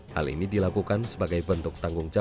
hal ini dilakukan sebagai bentuk tanggung jawab